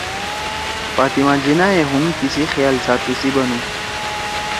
فاطمہ جناح ئے ہُم تیِسی خیال ساتُو سی بنُو